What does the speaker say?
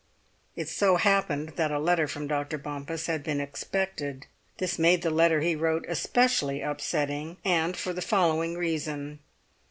It so happened that a letter from Dr. Bompas had been expected; this made the letter he wrote especially upsetting, and for the following reason.